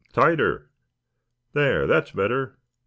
Tighter! There, that's better.